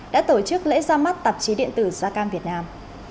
đã tổ chức lễ ra mắt tạp chí điện tử gia cam việt nam